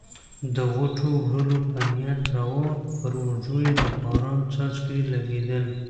د غوټو وړلو په نیت راووت، پر اوږو یې د باران څاڅکي لګېدل.